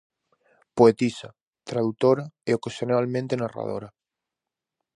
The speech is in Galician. Poetisa, tradutora e ocasionalmente narradora.